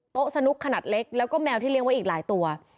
สนุกขนาดเล็กแล้วก็แมวที่เลี้ยงไว้อีกหลายตัว